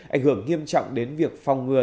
ảnh hưởng nghiêm trọng đến việc phòng ngừa